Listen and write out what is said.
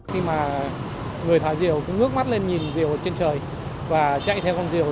khi mà người thả diều cũng ngước mắt lên nhìn diều trên trời và chạy theo con diều